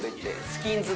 スキンズ？